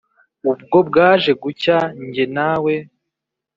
ubwo bwaje gucya njye nawe